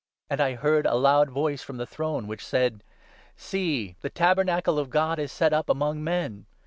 And I heard a loud voice from 3 the throne, which said —' See ! the Tabernacle of God is set up among men.